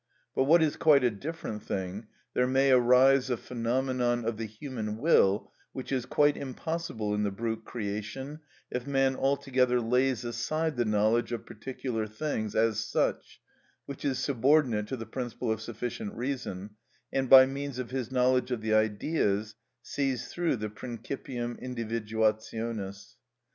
But, what is quite a different thing, there may arise a phenomenon of the human will which is quite impossible in the brute creation, if man altogether lays aside the knowledge of particular things as such which is subordinate to the principle of sufficient reason, and by means of his knowledge of the Ideas sees through the principium individuationis.